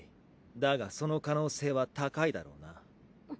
だがその可能性は高いだろうな。